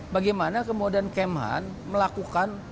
bagaimana kemudian kemhan melakukan